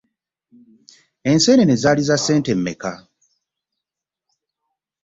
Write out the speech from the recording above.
Ensenene zali za ssente meka?